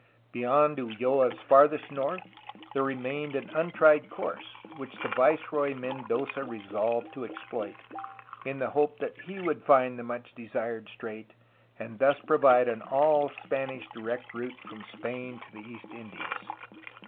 Beyond Ulloa's farthest north there remained an untried course, which the viceroy Mendoza resolved to ex ploit, in the hope that he would find the much desired strait and thus provide an all Spanish direct route from Spain to the East Indies.